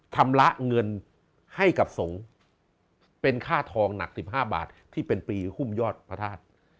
ชำระเงินให้กับสงฆ์เป็นค่าทองหนัก๑๕บาทที่เป็นปีหุ้มยอดพระธาตุ